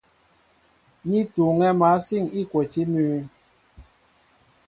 Ní tuuŋɛ̄ másîn îkwotí mʉ́ʉ́.